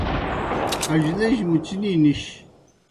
اجلِجیْ مُچنی نِش۔